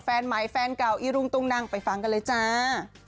แฟนใหม่แฟนเก่าอีรุงตุงนังไปฟังกันเลยจ้า